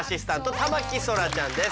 田牧そらちゃんです。